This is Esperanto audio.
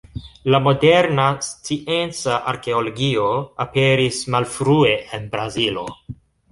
La moderna scienca arkeologio aperis malfrue en Brazilo.